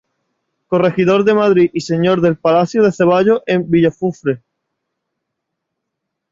Corregidor de Madrid y Señor del Palacio de Ceballos en Villafufre.